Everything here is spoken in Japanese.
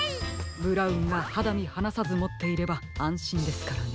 ブラウンがはだみはなさずもっていればあんしんですからね。